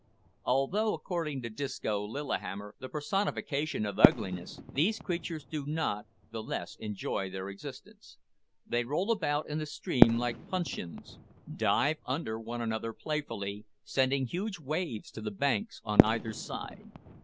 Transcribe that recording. Although, according to Disco Lillihammer, the personification of ugliness, these creatures do not the less enjoy their existence. They roll about in the stream like puncheons, dive under one another playfully, sending huge waves to the banks on either side.